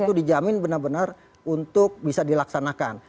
itu dijamin benar benar untuk bisa dilaksanakan